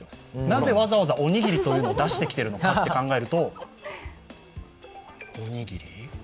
なぜ、わざわざおにぎりを出してきているのかを考えるとおにぎり？